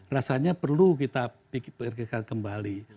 rasanya perlu kita pikirkan kembali